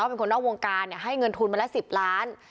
เป็นคนนอกวงการให้เงินทุนมาละ๑๐ล้าน